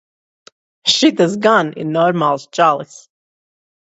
Šitas gan ir normāls čalis.